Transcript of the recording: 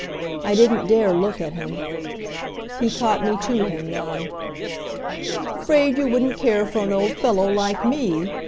I didn't dare look at him. He caught me to him then. "Afraid you wouldn't care for an old fellow like me?"